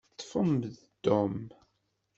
Ṭṭfem-d Tom.